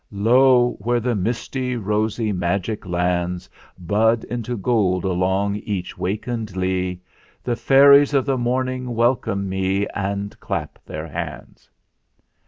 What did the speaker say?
"Lo ! where the misty, rosy magic lands Bud into gold along each wakened lea, The Fairies of the Morning welcome me And clap their hands!"